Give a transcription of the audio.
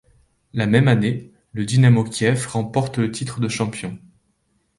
La même année, le Dynamo Kiev remporte le titre de champion.